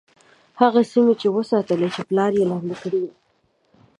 هغه سیمي یې وساتلې چې پلار یې لاندي کړې وې.